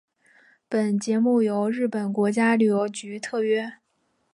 本节目由日本国家旅游局特约。